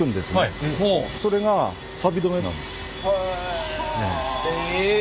へえ。